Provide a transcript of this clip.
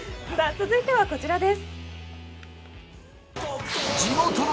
続いてはこちらです。